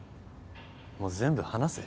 もう全部話せ。